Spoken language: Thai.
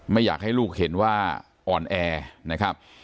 ไม่อยากให้ลูกเห็นว่าอ่อนแอนะครับ